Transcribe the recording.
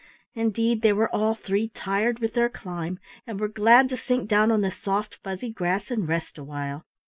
Indeed they were all three tired with their climb, and were glad to sink down on the soft fuzzy grass and rest a while.